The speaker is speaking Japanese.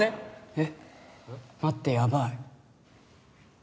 えっ待ってヤバい。